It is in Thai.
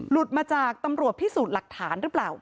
หลุดมาจากตำรวจพิสูจน์หลักฐานหรือเปล่า